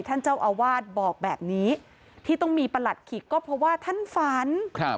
ท่านเจ้าอาวาสบอกแบบนี้ที่ต้องมีประหลัดขิกก็เพราะว่าท่านฝันครับ